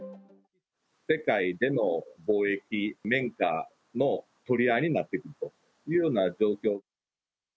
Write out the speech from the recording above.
世界での貿易綿花の取り合いになってくるというような状況。